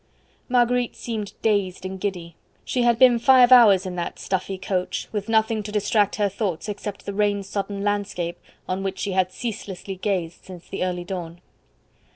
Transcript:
Marguerite seemed dazed and giddy; she had been five hours in that stuffy coach with nothing to distract her thoughts except the rain sodden landscape, on which she had ceaselessly gazed since the early dawn.